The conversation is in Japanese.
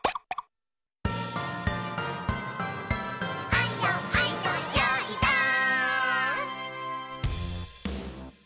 「あんよあんよよーいどん」